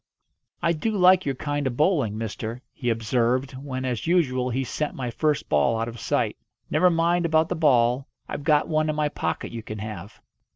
"I do like your kind of bowling, mister," he observed when, as usual, he sent my first ball out of sight. "Never mind about the ball. I've got one in my pocket you can have."